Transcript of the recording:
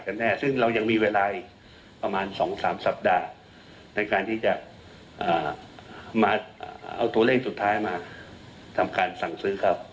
แน่ซึ่งเรายังมีเวลาอีกประมาณ๒๓สัปดาห์ในการที่จะมาเอาตัวเลขสุดท้ายมาทำการสั่งซื้อครับ